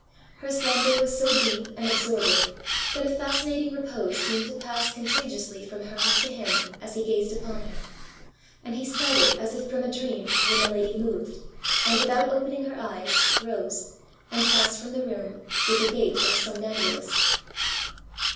Her slumber was so deep and absorbing that a fascinating repose seemed to pass contagiously from her to him as he gazed upon her; and he started as if from a dream, when the lady moved, and, without opening her eyes, rose, and passed from the room with the gait of a somnambulist.